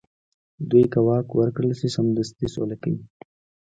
دوی که واک ورکړل شي، سمدستي سوله کوي.